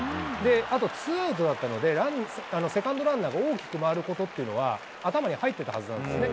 あと、ツーアウトだったので、セカンドランナーが大きく回ることっていうのは、頭に入ってたはずなんですね。